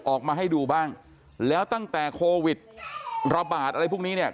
ออกมาให้ดูบ้างแล้วตั้งแต่โควิดระบาดอะไรพวกนี้เนี่ย